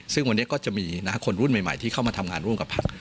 ซึ่งวันนี้ก็จะมีคนรุ่นใหม่ที่เข้ามาทำงานร่วมกับพัก